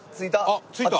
あっ着いた。